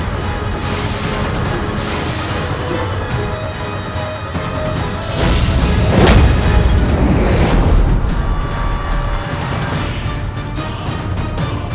ternyata seperti itu